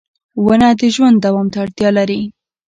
• ونه د ژوند دوام ته اړتیا لري.